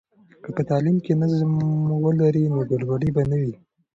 که په تعلیم کې نظم ولري، نو ګډوډي به نه وي.